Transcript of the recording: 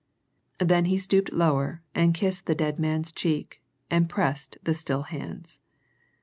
Then he stooped lower and kissed the dead man's cheek, and pressed the still hands.